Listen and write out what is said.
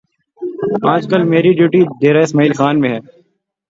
آج کل میری ڈیوٹی ڈیرہ اسماعیل خان میں ہے